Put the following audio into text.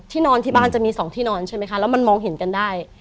นอนที่บ้านจะมี๒ที่นอนใช่ไหมคะแล้วมันมองเห็นกันได้